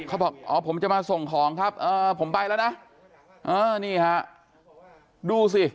เขาบอกอ๋อผมจะมาส่งของครับเออผมไปแล้วนะเออนี่ฮะดูสิ